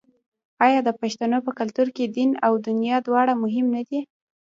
آیا د پښتنو په کلتور کې دین او دنیا دواړه مهم نه دي؟